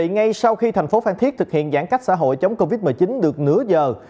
ngay sau khi thành phố phan thiết thực hiện giãn cách xã hội chống covid một mươi chín được nửa giờ